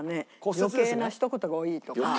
「余計なひと言が多い」。